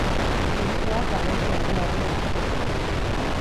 Turismoak garrantzi handia du itsasaldean.